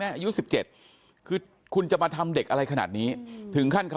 อายุ๑๐ปีนะฮะเขาบอกว่าเขาก็เห็นถูกยิงนะครับ